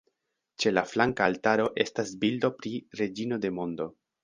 Ĉe la flanka altaro estas bildo pri "Reĝino de Mondo".